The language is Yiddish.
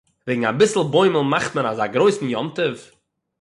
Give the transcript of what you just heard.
וועגן אַ ביסל בוימל מאַכט מען אַזאַ גרויסן יום–טובֿ?